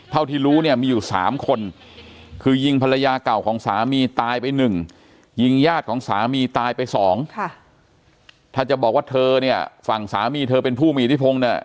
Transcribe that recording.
เท่าที่รู้เนี่ยมีอยู่สามคน